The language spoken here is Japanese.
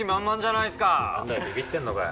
なんだよビビってんのかよ？